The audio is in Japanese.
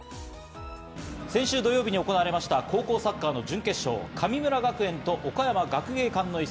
先週土曜日に行われました高校サッカーの準決勝、神村学園と岡山学芸館の一戦。